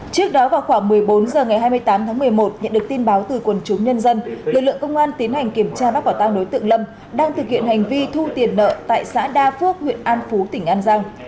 trước đó vào khoảng một mươi bốn h ngày hai mươi tám tháng một mươi một nhận được tin báo từ quần chúng nhân dân lực lượng công an tiến hành kiểm tra bác quả tăng đối tượng lâm đang thực hiện hành vi thu tiền nợ tại xã đa phước huyện an phú tỉnh an giang